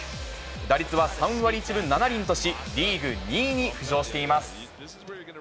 打率は３割１分７厘とし、リーグ２位に浮上しています。